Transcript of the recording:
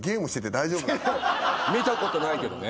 見たことないけどね。